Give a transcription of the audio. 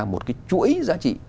một cái chuỗi giá trị